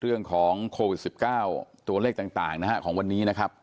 เรื่องของโควิด๑๙ตัวเลขต่างนะฮะของวันนี้นะครับ